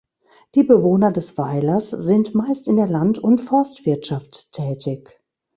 Die Bewohner des Weilers sind meist in der Land- und Forstwirtschaft tätig.